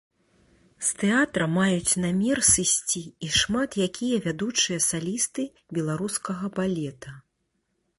З тэатра маюць намер сысці і шмат якія вядучыя салісты беларускага балета.